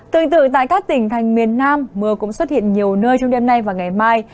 tương tự tại các tỉnh thành miền nam mưa cũng xuất hiện nhiều nơi trong đêm nay và ngày mai